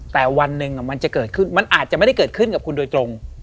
แต่วันหนึ่งมันจะเกิดขึ้นมันอาจจะไม่ได้เกิดขึ้นกับคุณโดยตรง